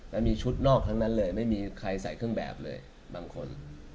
แล้วมีชุดนอกทั้งนั้นเลยไม่มีใครใส่เครื่องแบบเลยบางคน